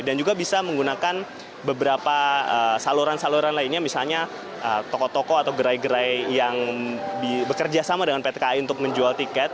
dan juga bisa menggunakan beberapa saluran saluran lainnya misalnya toko toko atau gerai gerai yang bekerja sama dengan pt kki untuk menjual tiket